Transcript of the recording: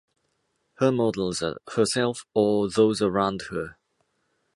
Her models are herself or those around her.